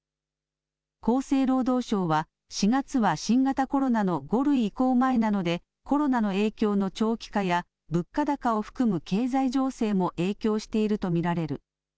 厚生労働省は４月は新型コロナの５類移行前なのでコロナの影響の長期化や物価高を含む経済情勢も影響していると見られる。